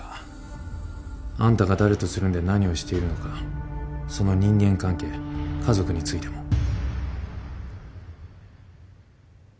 あんたが誰とつるんで何をしているのかその人間関係家族についても。